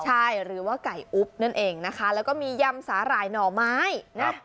ใช่หรือว่าไก่อุ๊บนั่นเองนะคะแล้วก็มียำสาหร่ายหน่อไม้นะ